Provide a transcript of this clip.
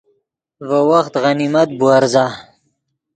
ڤے وخت غنیمت بُورزا